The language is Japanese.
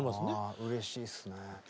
ああうれしいっすね。